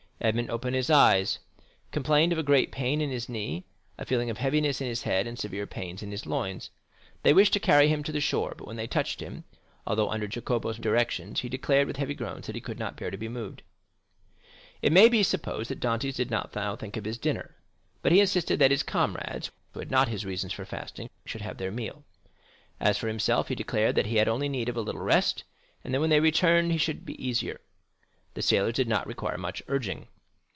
Edmond opened his eyes, complained of great pain in his knee, a feeling of heaviness in his head, and severe pains in his loins. They wished to carry him to the shore; but when they touched him, although under Jacopo's directions, he declared, with heavy groans, that he could not bear to be moved. It may be supposed that Dantès did not now think of his dinner, but he insisted that his comrades, who had not his reasons for fasting, should have their meal. As for himself, he declared that he had only need of a little rest, and that when they returned he should be easier. The sailors did not require much urging.